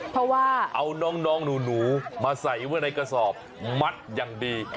เพราะว่าเอาน้องหนูมาใส่ไว้ในกระสอบมัดอย่างดี